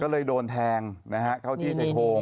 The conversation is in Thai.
ก็เลยโดนแทงเขาที่สายคง